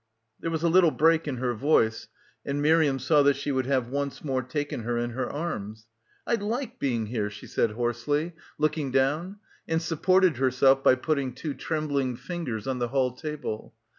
There was a little break in her voice, and — H3 — PILGRIMAGE Miriam saw that she would have once more taken her in her arms. "I like being here," she said hoarsely, looking down, and supported herself by putting two trembling fingers on the hall table.